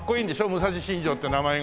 武蔵新城って名前が。